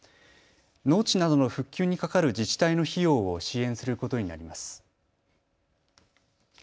農地などの復旧にかかる自治体の費用を支援することになります。